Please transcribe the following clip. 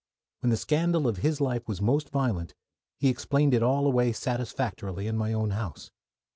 When the scandal of his life was most violent, he explained it all away satisfactorily in my own house.